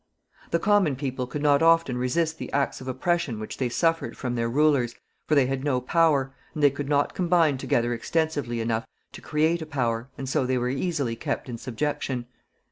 The common people could not often resist the acts of oppression which they suffered from their rulers, for they had no power, and they could not combine together extensively enough to create a power, and so they were easily kept in subjection.